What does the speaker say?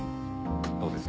どうですか？